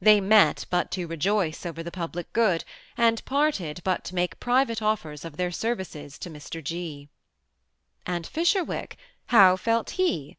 They met but to re joice over the public good, and parted but to make private offers of their services to Mr. 6. And Fisherwick I how felt he